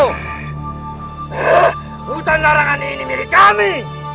hutan larangan ini milik kami